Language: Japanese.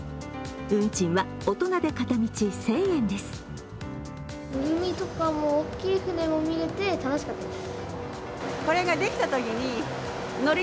運賃は大人で片道１０００円です。